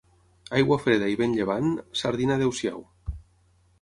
Aigua freda i vent llevant, sardina adeu-siau.